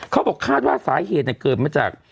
เขาบอกคาดว่าสาเหตุเกิดมาจาก